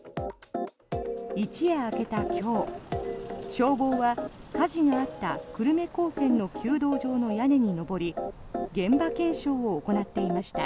一夜明けた今日、消防は火事があった久留米高専の弓道場の屋根に上り現場検証を行っていました。